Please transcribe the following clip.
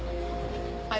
はい。